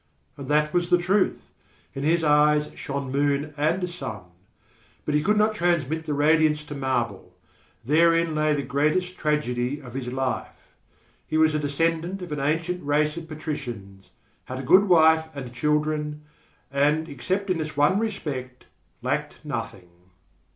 And that was the truth. In his eyes shone moon and sun. But he could not transmit the radiance to marble. Therein lay the greatest tragedy of his life. He was a descendant of an ancient race of patricians, had a good wife and children, and except in this one respect, lacked nothing.